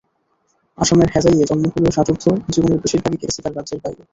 আসামের হোজাইয়ে জন্ম হলেও ষাটোর্ধ্ব জীবনের বেশির ভাগটাই কেটেছে তাঁর রাজ্যের বাইরে।